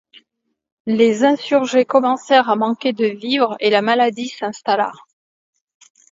Les insurgés commencèrent à manquer de vivres et la maladie s'installa.